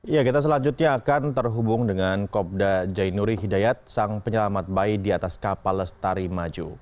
ya kita selanjutnya akan terhubung dengan kopda jainuri hidayat sang penyelamat bayi di atas kapal lestari maju